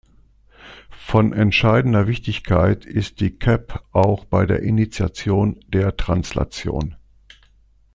Von entscheidender Wichtigkeit ist die Cap auch bei der Initiation der Translation.